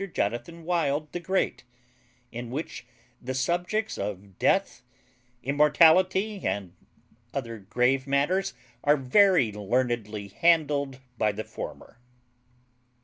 JONATHAN WILD THE GREAT; IN WHICH THE SUBJECTS OF DEATH, IMMORTALITY, AND OTHER GRAVE MATTERS, ARE VERY LEARNEDLY HANDLED BY THE FORMER.